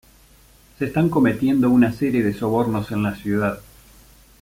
Se están cometiendo una serie de sobornos en la ciudad.